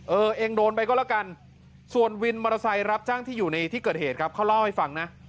เออเองโดนไปก็แล้วกันส่วนวินมอเตอร์ไซค์รับจ้างที่อยู่ในที่เกิดเหตุครับเขาเล่าให้ฟังนะ